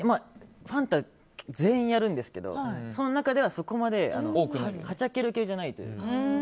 ファンタ全員やるんですけどもその中ではそこまではっちゃける系じゃないというか。